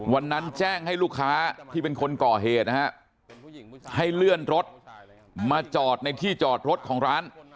วันนั้นแจ้งให้ลูกค้าที่เป็นคนก่อเหตุนะฮะให้เลื่อนรถมาจอดในที่จอดรถของร้าน